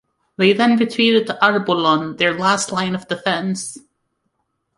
They then retreated to Arborlon, their last line of defense.